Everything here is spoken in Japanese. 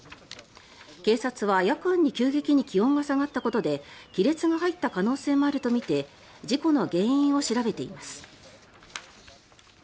警察は、夜間に急激に気温が下がったことで亀裂が入った可能性もあるとみて事故の原因を調べています。